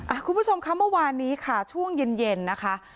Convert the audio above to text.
คุณผู้ชมคะเมื่อวานนี้ค่ะช่วงเย็นเย็นนะคะ